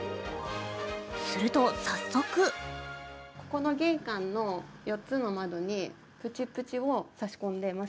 すると早速この玄関の４つの窓にプチプチを差し込んでいます。